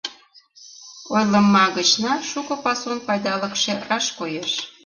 Ойлыма гычна шуко пасун пайдалыкше раш коеш.